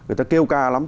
người ta kêu ca lắm